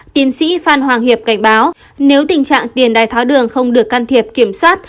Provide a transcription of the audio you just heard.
tiến sĩ phan hoàng hiệp cảnh báo nếu tình trạng tiền đài tháo đường không được can thiệp kiểm soát